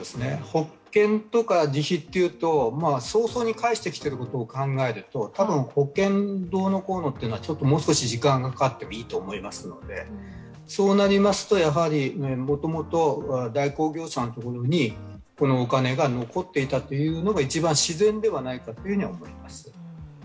保険とか自費というと、早々に返してきていることを考えると、多分、保険どうのこうのは、もう少し時間がかかってもいいのでそうなりますと、もともと代行業者のところにこのお金が残っていたというのが一番自然ではないかと思います。